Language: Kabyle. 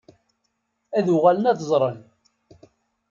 Ad uɣalen ad ẓren.